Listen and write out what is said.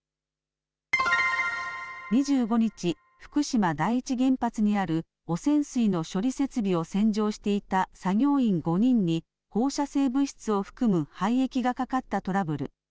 ２５日、福島第一原発にある汚染水の処理設備を洗浄していた作業員５人に放射性物質を含む廃液がかかったトラブル。